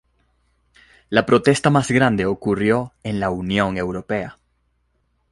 La protesta más grande ocurrió en la Unión Europea.